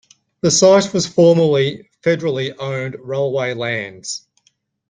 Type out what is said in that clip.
The site was formerly federally owned Railway Lands.